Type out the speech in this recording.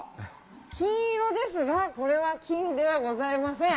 金色ですがこれは金ではございません！